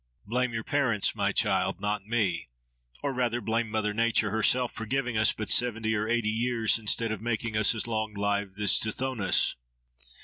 —Blame your parents, my child, not me! Or rather, blame mother Nature herself, for giving us but seventy or eighty years instead of making us as long lived as Tithonus.